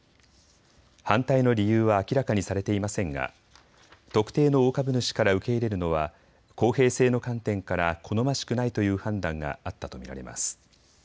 反対の理由は明らかにされていませんが特定の大株主から受け入れるのは公平性の観点から好ましくないという判断があったと見られます。